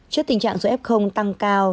trước tình trạng do f tăng cao